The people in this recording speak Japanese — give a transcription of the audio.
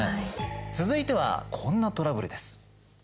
続いてはこんなトラブルです。